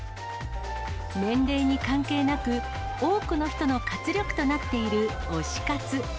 年齢に関係なく、多くの人の活力となっている推し活。